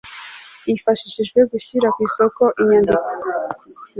hifashishijwe gushyira ku isoko inyandiko